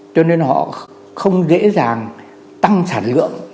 cho nên họ không dễ dàng tăng sản lượng